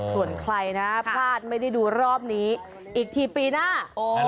ส่วนใครนะพลาดไม่ได้ดูรอบนี้อีกทีปีหน้า